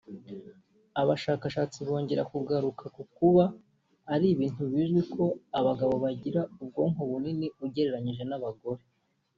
Aba bashakashatsi bongera kugaruka ku kuba ari ibintu bizwi ko abagabo bagira ubwonko bunini ugereranije n’abagore